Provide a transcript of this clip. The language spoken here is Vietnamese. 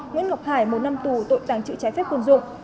nguyễn ngọc hải một năm tù tội tàng trữ sử dụng trái phép vũ khí quân dụng